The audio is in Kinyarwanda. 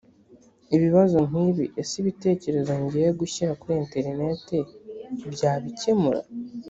ibibazo nkibi ese ibitekerezo ngiye gushyira kuri interineti byabikemura?